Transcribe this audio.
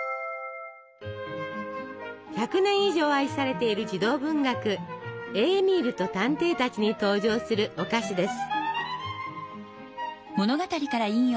１００年以上愛されている児童文学「エーミールと探偵たち」に登場するお菓子です。